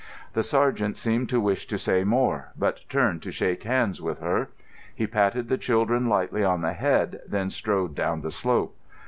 The sergeant seemed to wish to say more, but turned to shake hands with her. He patted the children lightly on the head, then strode down the slope.